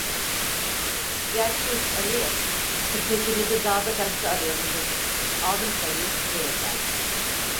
Gel kız, Aliye, kısmetimizi dağda taşta arayalım! dedim, aldım karıyı buraya geldim.